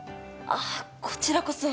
ああこちらこそ。